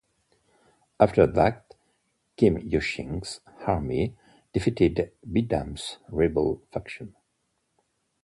After that, Kim Yushin's army defeated Bidam's rebel faction.